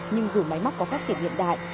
nhưng dù máy móc có phát triển hiện đại